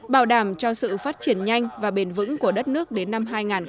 bảo đảm cho sự phát triển nhanh và bền vững của đất nước đến năm hai nghìn ba mươi